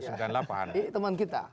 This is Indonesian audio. ini teman kita